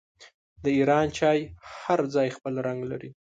د ایران چای هر ځای خپل رنګ لري.